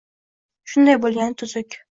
Shunday bo‘lgani tuzuk.